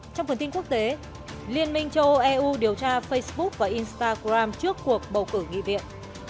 trong phần tin quốc tế liên minh châu âu eu điều tra facebook và instagram trước cuộc bầu cử nghị viện